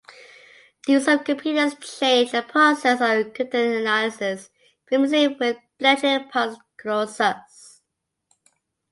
The use of computers changed the process of cryptanalysis, famously with Bletchley Park's Colossus.